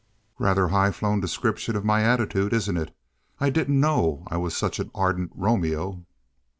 "Rather high flown description of my attitude, isn't it? I didn't know I was such an ardent Romeo."